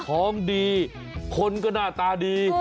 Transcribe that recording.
ของดีคนก็หน้าตาดี